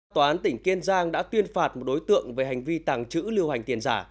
tòa án tỉnh kiên giang đã tuyên phạt một đối tượng về hành vi tàng trữ lưu hành tiền giả